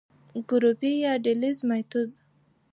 ګروپي يا ډلييز ميتود: